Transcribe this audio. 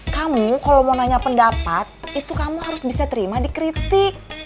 kamu kalau mau nanya pendapat itu kamu harus bisa terima dikritik